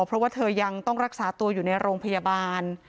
เพราะว่าเธอยังต้องรักษาตัวอยู่ในโรงพยาบาล